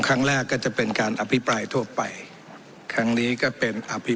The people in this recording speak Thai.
ก็จะเป็นการอภิปรายทั่วไปครั้งนี้ก็เป็นอภิ